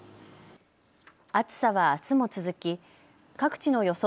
暑さはあすも続き各地の予想